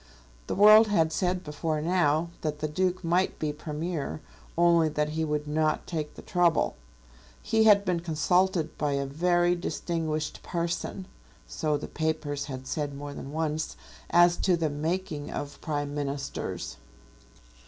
The world had said before now that the Duke might be Premier, only that he would not take the trouble. He had been consulted by a very distinguished person, so the papers had said more than once, as to the making of Prime Ministers.